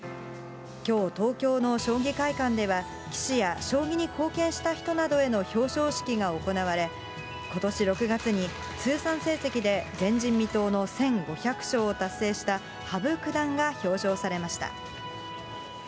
きょう、東京の将棋会館では、棋士や将棋に貢献した人などへの表彰式が行われ、ことし６月に通算成績で前人未到の１５００勝を達成した、羽生九段が表彰されました。